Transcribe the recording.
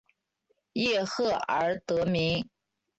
叶赫而得名。